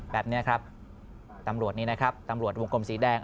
แบบนี้ครับตำรวจนี้นะครับตำรวจวงกลมสีแดง